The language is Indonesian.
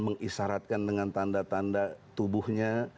mengisaratkan dengan tanda tanda tubuhnya